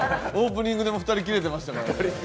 オープニングでも２人キレてましたからね。